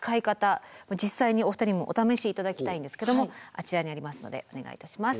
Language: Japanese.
実際にお二人にもお試し頂きたいんですけどもあちらにありますのでお願いいたします。